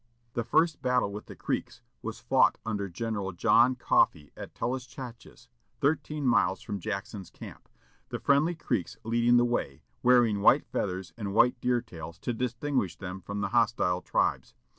The first battle with the Creeks was fought under General John Coffee at Talluschatches, thirteen miles from Jackson's camp, the friendly Creeks leading the way, wearing white feathers and white deer's tails to distinguish them from the hostile tribes.